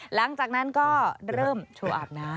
หลังจากนั้นก็เริ่มโชว์อาบน้ำ